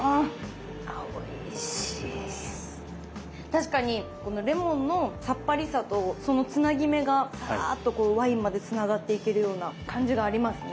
確かにこのレモンのさっぱりさとそのつなぎ目がサーッとこうワインまでつながっていけるような感じがありますね。